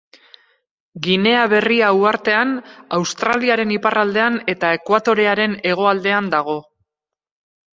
Ginea Berria uhartean Australiaren iparraldean eta ekuatorearen hegoaldean dago.